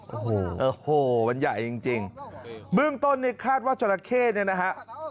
โอ้โหโอ้โหมันใหญ่จริงจริงเบื้องต้นเนี่ยคาดว่าจราเข้เนี่ยนะฮะ